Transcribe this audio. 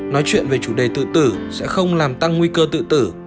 nói chuyện về chủ đề tự tử sẽ không làm tăng nguy cơ tự tử